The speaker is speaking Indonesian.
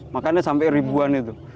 makanya sampai ribuan itu